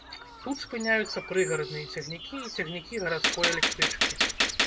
Тут спыняюцца прыгарадныя цягнікі і цягнікі гарадской электрычкі.